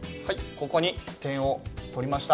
ここに点を取りました。